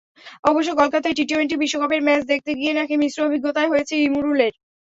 অবশ্য কলকাতায় টি-টোয়েন্টি বিশ্বকাপের ম্যাচ দেখতে গিয়ে নাকি মিশ্র অভিজ্ঞতাই হয়েছে ইমরুলের।